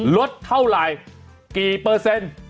ลดเท่าไหร่กี่เปอร์เซ็นต์